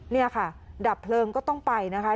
นี่ค่ะดับเพลิงก็ต้องไปนะคะ